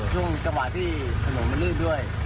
ช่วงเวลาที่ถนนมือเลือดด้วย